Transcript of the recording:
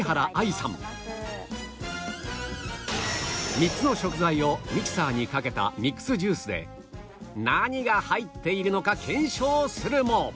３つの食材をミキサーにかけたミックスジュースで何が入っているのか検証するも